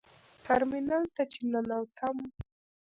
ټرمینل ته چې ننوتم.